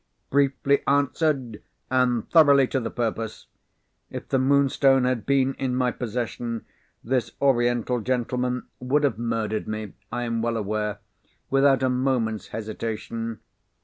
Briefly answered, and thoroughly to the purpose! If the Moonstone had been in my possession, this Oriental gentleman would have murdered me, I am well aware, without a moment's hesitation.